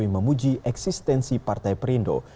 memuji eksistensi partai perindo